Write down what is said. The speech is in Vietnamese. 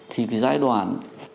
thì giai đoạn